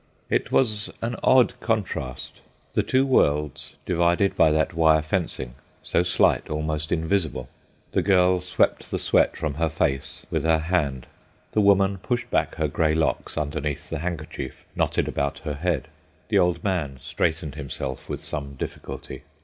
It was an odd contrast; the two worlds divided by that wire fencing—so slight, almost invisible. The girl swept the sweat from her face with her hand; the woman pushed back her grey locks underneath the handkerchief knotted about her head; the old man straightened himself with some difficulty.